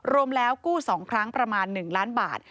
รวมแล้วกู้๒ครั้งประมาณ๑ล้านบาท